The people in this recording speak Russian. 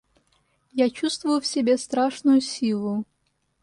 Я чувствую в себе страшную силу.